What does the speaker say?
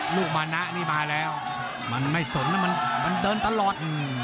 ลูกมานะนี่มาแล้วมันไม่สนนะมันเดินตลอด